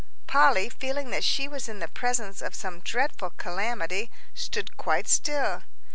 Polly, feeling that she was in the presence of some dreadful calamity, stood quite still.